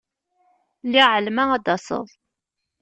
Lliɣ εelmeɣ ad d-taseḍ.